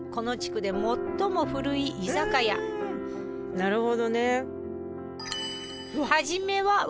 なるほどね。